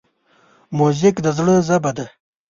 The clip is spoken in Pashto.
موزیک د زړه ژبه ده.